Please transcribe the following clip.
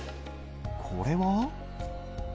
これは？